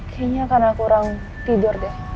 kayaknya karena kurang tidur deh